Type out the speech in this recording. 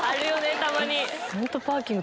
たまに。